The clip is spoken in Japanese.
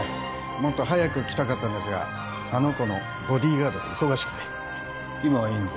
もっと早く来たかったんですがあの子のボディーガードで忙しくて今はいいのか？